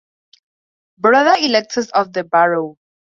Brother electors of the borough.